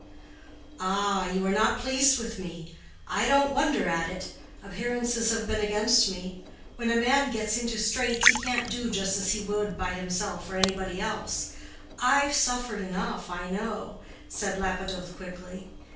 "Ah, you are not pleased with me. I don't wonder at it. Appearances have been against me. When a man gets into straits he can't do just as he would by himself or anybody else, I've suffered enough, I know," said Lapidoth, quickly.